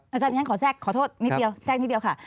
อาจารย์ขอแทรกขอโทษนิดเดียวแทรกนิดเดียวค่ะ